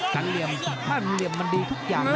เหลี่ยมถ้าเหลี่ยมมันดีทุกอย่าง